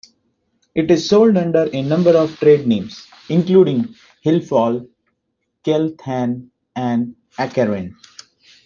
It is sold under a number of trade names, including "Hilfol", "Kelthane" and "Acarin".